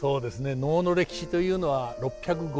能の歴史というのは６５０年以上。